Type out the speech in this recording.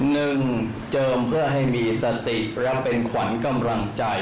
ก็เป็นเรื่องของความเชื่อความศรัทธาเป็นการสร้างขวัญและกำลังใจ